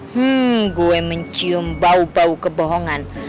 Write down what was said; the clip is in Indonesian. hmm gue mencium bau bau kebohongan